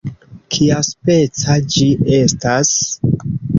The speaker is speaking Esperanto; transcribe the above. "Kiaspeca ĝi estas?"